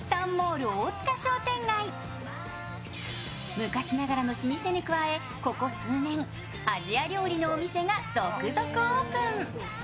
昔ながらの老舗に加え、ここ数年、アジア料理のお店が続々オープン。